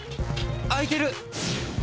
空いてる！